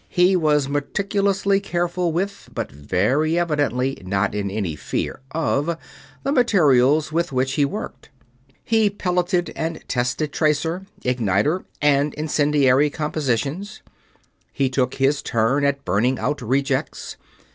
He was meticulously careful with, but very evidently not in any fear of, the materials with which he worked. He pelleted and tested tracer, igniter, and incendiary compositions; he took his turn at burning out rejects.